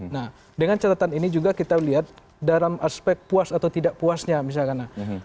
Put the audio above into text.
nah dengan catatan ini juga kita lihat dalam aspek puas atau tidak puasnya misalkan